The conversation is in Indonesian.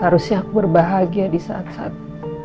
harusnya aku berbahagia di saat saat